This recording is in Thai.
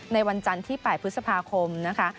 ในวันจันที่ป่ายพฤษภาคมนะคะ